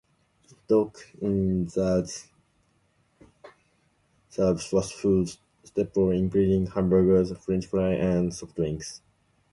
Dog n Suds serves fast-food staples including hamburgers, French fries, and soft drinks.